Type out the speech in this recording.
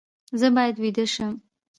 زه باید ویده شم